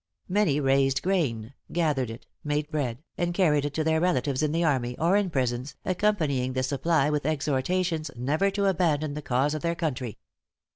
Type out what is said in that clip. Many raised grain, gathered it, made bread, and carried it to their relatives in the army, or in prisons, accompanying the supply with exhortations never to abandon the cause of their country.